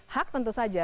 hak tentu saja